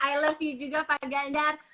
i love you juga pak ganjar